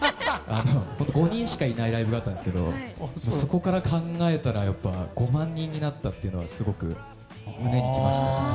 ５人しかいないライブだったんですけどそこから考えたら、やっぱり５万人になったっていうのはすごく胸に来ましたね。